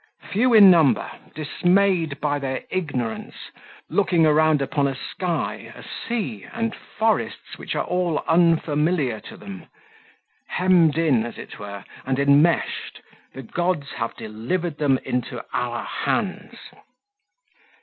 Few in number, dismayed by their ignorance, looking around upon a sky, a sea, and forests which are all unfamiliar to them; hemmed in, as it were, and enmeshed, the Gods have delivered them into our hands.